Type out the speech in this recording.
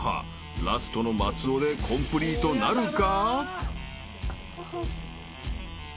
［ラストの松尾でコンプリートなるか？］